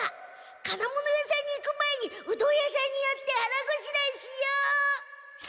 金物屋さんに行く前にうどん屋さんに寄って腹ごしらえしよう！